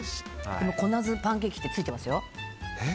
コナズパンケーキってついてますよ。